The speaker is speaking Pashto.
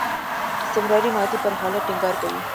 استمراري ماضي پر حالت ټینګار کوي.